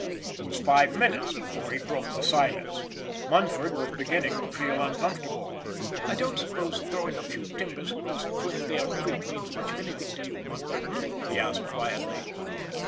It was five minutes before he broke the silence; Munford was beginning to feel uncomfortable. " I don't suppose throwing a few timbers across Twin Bear Creek means much of anything to you, Munford, eh? " he asked quietly.